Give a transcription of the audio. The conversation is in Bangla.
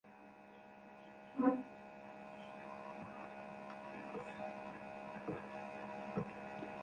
আর সেই ভিডিওতে সমর্থন দিতেও দেখা গেছে ক্রোয়েশিয়া দলের সেন্টারব্যাক দোমাগোজ ভিদাকে।